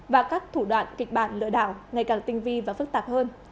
và các thủ đoạn kịch bản lừa đảo ngày càng tinh vi và phức tạp hơn